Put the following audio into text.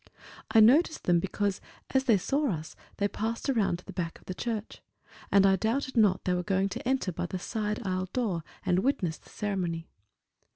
I noticed them because as they saw us they passed around to the back of the church; and I doubted not they were going to enter by the side aisle door and witness the ceremony.